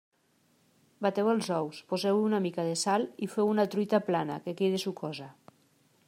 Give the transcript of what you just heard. Bateu els ous, poseu-hi una mica de sal i feu una truita plana, que quedi sucosa.